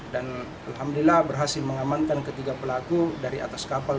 dan alhamdulillah berhasil mengamankan ketiga pelaku dari atas kapal